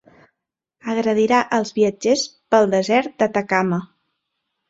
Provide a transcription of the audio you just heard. Agredirà els viatgers pel desert d'Atacama.